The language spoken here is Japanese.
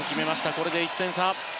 これで１点差。